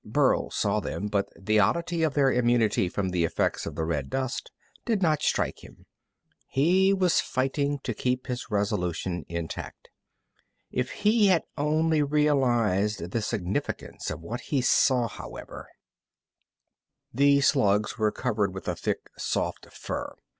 Burl saw them, but the oddity of their immunity from the effects of the red dust did not strike him. He was fighting to keep his resolution intact. If he had only realized the significance of what he saw, however The slugs were covered with a thick soft fur.